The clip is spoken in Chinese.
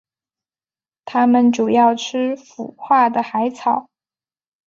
它们主要吃腐化的海草。